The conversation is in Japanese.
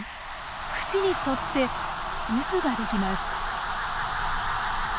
縁に沿って渦が出来ます。